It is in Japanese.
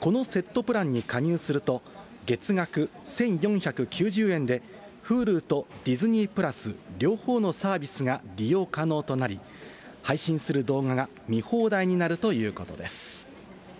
このセットプランに加入すると、月額１４９０円で、Ｈｕｌｕとディズニープラス両方のサービスが利用可能となり、配信する動画が見放題になるということです。